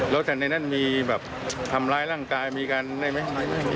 แล้วแต่ในนั้นมีแบบทำร้ายร่างกายมีการได้ไหม